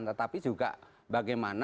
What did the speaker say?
tetapi juga bagaimana